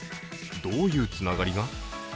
どういうつながりが？